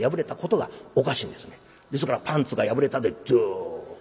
ですから「パンツが破れた」でドッ。